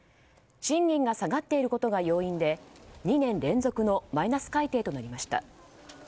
賃金が下がっていることが要因で２年連続のマイナス改定となりました。